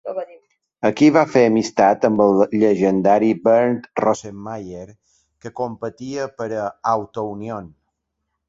Aquí va fer amistat amb el llegendari Bernd Rosemeyer, que competia per a Auto Union.